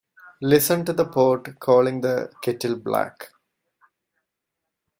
Listen to the pot calling the kettle black.